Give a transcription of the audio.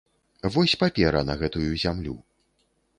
Вось папера на гэтую зямлю.